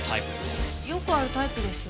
よくあるタイプですよ。